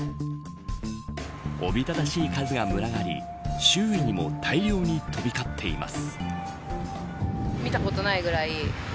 おびただしい数が群がり周囲にも大量に飛び交っています。